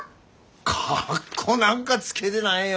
かっこなんかつけてないよ。